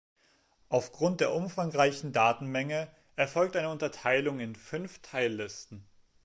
Aufgrund der umfangreichen Datenmenge erfolgt eine Unterteilung in fünf Teillisten.